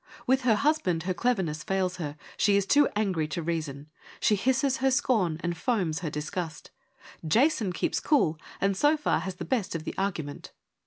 With her husband her cleverness fails her : she is too angry to reason : she hisses her scorn and foams her disgust. Jason keeps cool and so far has the best of the argument.